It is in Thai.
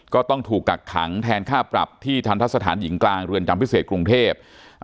ก็ต้องถูกกักขังแทนค่าปรับที่ทันทะสถานหญิงกลางเรือนจำพิเศษกรุงเทพ